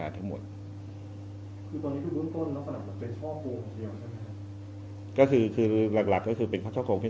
ก็จะถูกดำเนินคดีขณะตัวตาล่วงเหมือนกันเลยเหรอครับ